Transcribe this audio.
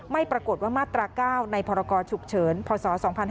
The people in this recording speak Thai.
ไม่ปรากฏว่ามาตรา๙ในพรกรฉุกเฉินพศ๒๕๕๙